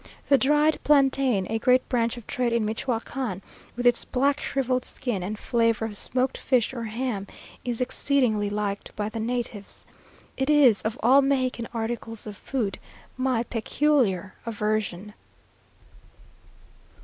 The dried plantain, a great branch of trade in Michoacán, with its black shrivelled skin and flavour of smoked fish or ham, is exceedingly liked by the natives. It is, of all Mexican articles of food, my peculiar aversion.